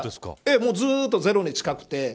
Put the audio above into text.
ずっとゼロに近くて。